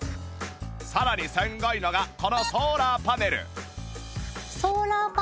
さらにすごいのがこのソーラーパネル